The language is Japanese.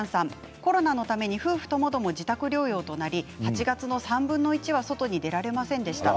コロナのために夫婦ともども自宅療養となり８月の３分の１は外に出られませんでした。